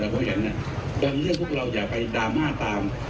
เพราะฉะนั้นบางเรื่องพวกเราอย่าไปดราม่าตาม